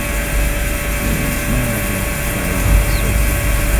ماذا ترين في الصورة ؟